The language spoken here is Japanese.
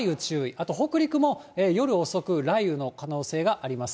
あと北陸も夜遅く雷雨の可能性があります。